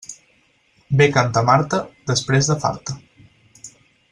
Bé canta Marta, després de farta.